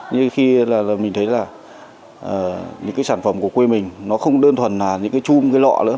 nhưng khi mình thấy là những sản phẩm của quê mình nó không đơn thuần là những cái chung cái lọ nữa